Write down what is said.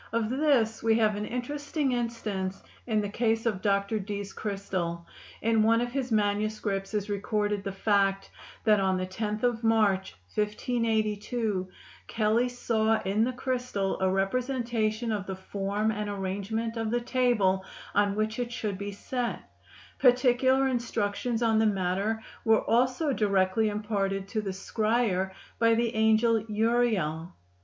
Of this we have an interesting instance in the case of Dr. Dee's crystal. In one of his manuscripts is recorded the fact that on the 10th of March, 1582, Kelley saw in the crystal a representation of the form and arrangement of the table on which it should be set; particular instructions on the matter were also directly imparted to the scryer by the angel Uriel.